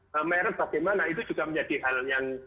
merek bagaimana itu juga menjadi hal yang